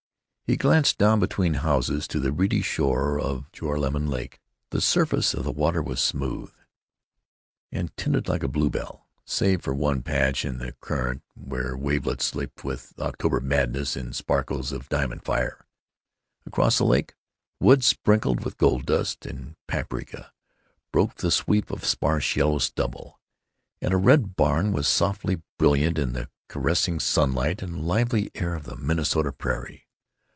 He glanced down between houses to the reedy shore of Joralemon Lake. The surface of the water was smooth, and tinted like a bluebell, save for one patch in the current where wavelets leaped with October madness in sparkles of diamond fire. Across the lake, woods sprinkled with gold dust and paprika broke the sweep of sparse yellow stubble, and a red barn was softly brilliant in the caressing sunlight and lively air of the Minnesota prairie.